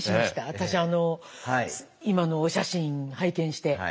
私今のお写真拝見して。